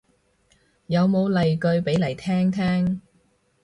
有冇例句俾嚟聽聽